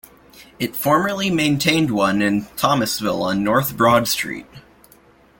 It formerly maintained one in Thomasville on North Broad Street.